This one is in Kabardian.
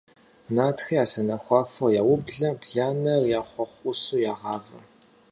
Нартхэ я сэнэхуафэр яублэ, бланэр я хъуэхъу Ӏусу ягъавэ.